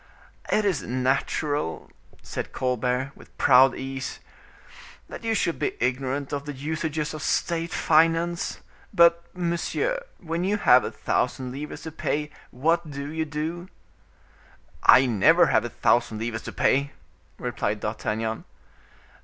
"It is natural," said Colbert with a proud ease, "that you should be ignorant of the usages of state finance; but, monsieur, when you have a thousand livres to pay, what do you do?" "I never have a thousand livres to pay," replied D'Artagnan.